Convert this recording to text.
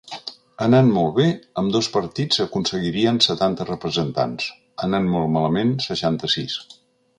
Anant molt bé, ambdós partits aconseguirien setanta representats; anant molt malament, seixanta-sis.